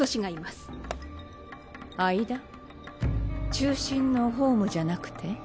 中心のホームじゃなくて？